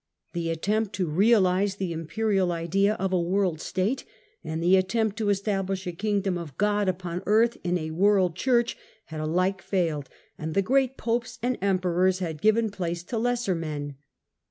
The attempt to realize the imperial idea of a World State, and the attiempt to establish a kingdom of God upon earth in a World Church had alike failed, and the great Popes and Emperors had given place to lesser men.